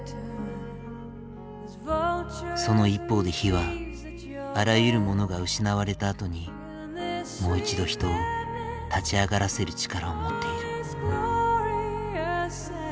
その一方で火はあらゆるものが失われたあとにもう一度人を立ち上がらせる力を持っている。